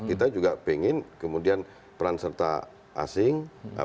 kita juga pengen kemudian peran serta asing